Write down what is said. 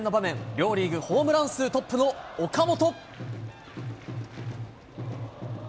両リーグホームラン数トップの岡本。